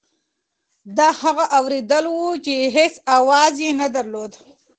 دا هغه اورېدل وو چې هېڅ اواز یې نه درلود.